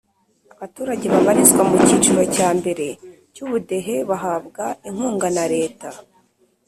Abaturage babarizwa mukiciro cya mbere cyubudehe bahabwa inkunga na leta